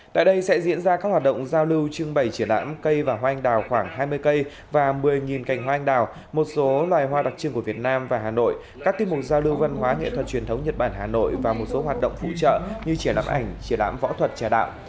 tại đây sẽ diễn ra các hoạt động giao lưu trưng bày triển lãm cây và hoa anh đào khoảng hai mươi cây và một mươi cành hoa anh đào một số loài hoa đặc trưng của việt nam và hà nội các tiết mục giao lưu văn hóa nghệ thuật truyền thống nhật bản hà nội và một số hoạt động phụ trợ như triển lãm ảnh triển lãm võ thuật trà đạo